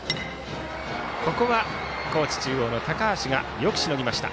ここは高知中央の高橋がよくしのぎました。